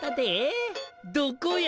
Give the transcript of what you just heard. どこや？